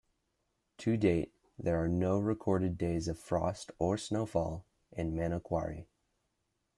To date, there are no recorded days of frost or snowfall in Manokwari.